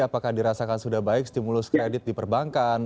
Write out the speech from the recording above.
apakah dirasakan sudah baik stimulus kredit di perbankan